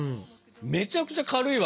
めちゃくちゃ軽いわけよ。